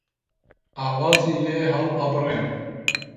ئاوازی لێ هەڵ ئەبڕێ